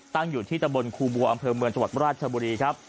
ตั้งอยู่ที่ตะบนครูบัวอำเภอเมืองจังหวัดราชบุรีครับ